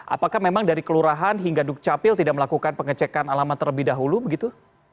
apakah memang dari kelurahan hingga dukcapil tidak melakukan pengecekan alamat terlebih dahulu begitu